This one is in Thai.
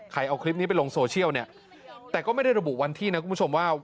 เอาคลิปนี้ไปลงโซเชียลเนี่ยแต่ก็ไม่ได้ระบุวันที่นะคุณผู้ชมว่า